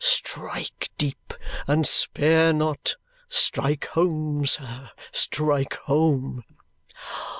Strike deep, and spare not. Strike home, sir, strike home!"